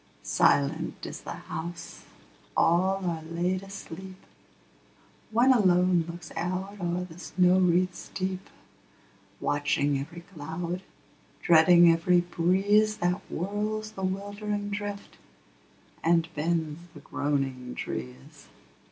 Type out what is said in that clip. Silent is the house: all are laid asleep: One alone looks out o'er the snow wreaths deep, Watching every cloud, dreading every breeze That whirls the wildering drift, and bends the groaning trees.